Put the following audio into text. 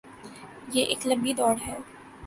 یہ ایک لمبی دوڑ ہے۔